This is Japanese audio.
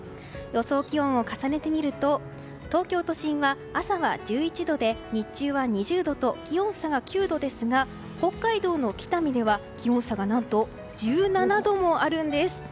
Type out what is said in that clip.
予想気温を重ねてみると東京都心は朝は１１度で、日中は２０度と気温差は９度ですが北海道の北見では気温差が何と１７度もあるんです。